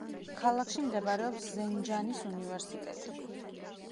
ქალაქში მდებარეობს ზენჯანის უნივერსიტეტი.